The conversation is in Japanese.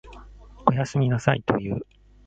おやすみなさいと言う。